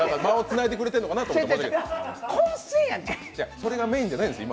それがメインじゃないんですよ、今。